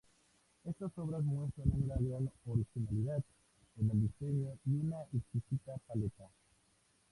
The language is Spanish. Estas obras muestran una gran originalidad en el diseño y una exquisita paleta.